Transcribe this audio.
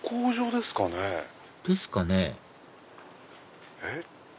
ですかねえっ？